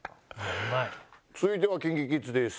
続いてはＫｉｎＫｉＫｉｄｓです。